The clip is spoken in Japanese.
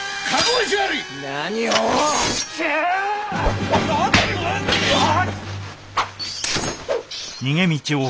何を！